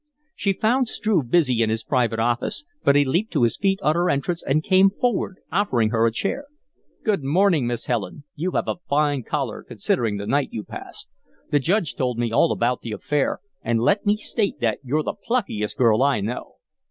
She found Struve busy in his private office, but he leaped to his feet on her entrance and came forward, offering her a chair. "Good morning, Miss Helen. You have a fine color, considering the night you passed. The Judge told me all about the affair; and let me state that you're the pluckiest girl I know."